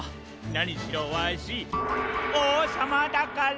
なにしろわしおうさまだから！